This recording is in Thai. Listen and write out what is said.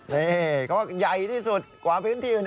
นี่แย่ที่สุดกว่าเพียงที่อื่น